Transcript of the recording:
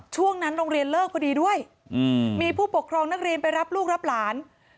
ช่วงนั้นโรงเรียนเลิกพอดีด้วยมีผู้ปกครองนักเรียนไปรับลูกรับหลาน